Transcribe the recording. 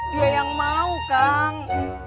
dia yang mau kang